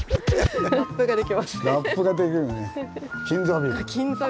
ラップができますね。